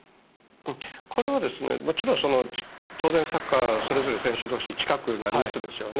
これは、もちろん当然サッカーはそれぞれ選手同士近くなりますよね。